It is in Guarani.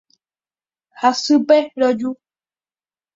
Hasýpe roju.